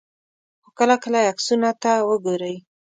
خو کله کله یې عکسونو ته وګورئ.